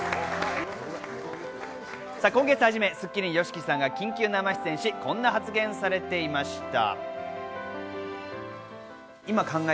今月初め、『スッキリ』にＹＯＳＨＩＫＩさんが緊急生出演し、こんな発言をされていました。